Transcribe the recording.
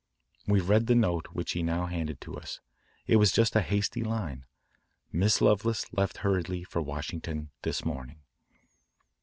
We read the note which he now handed to us. It was just a hasty line: "Miss Lovelace left hurriedly for Washington this morning."